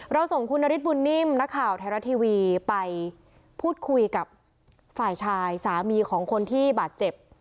ส่งคุณนฤทธบุญนิ่มนักข่าวไทยรัฐทีวีไปพูดคุยกับฝ่ายชายสามีของคนที่บาดเจ็บ